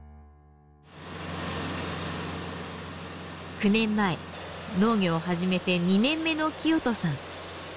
９年前農業を始めて２年目の聖人さん。